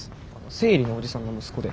生理のおじさんの息子で。